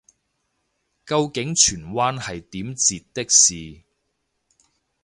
究竟荃灣係點截的士